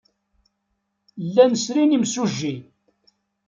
Llan srin imsujji.